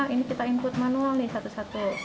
ini kita input manual nih satu satu